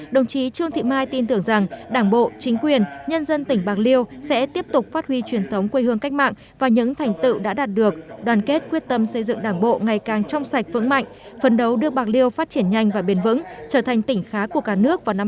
đồng chí trương thị mai tin tưởng rằng đảng bộ chính quyền nhân dân tỉnh bạc liêu sẽ tiếp tục phát huy truyền thống quê hương cách mạng và những thành tựu đã đạt được đoàn kết quyết tâm xây dựng đảng bộ ngày càng trong sạch vững mạnh phân đấu đưa bạc liêu phát triển nhanh và bền vững trở thành tỉnh khá của cả nước vào năm hai nghìn ba mươi